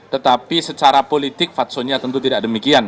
tetapi secara politik fatso nya tentu tidak demikian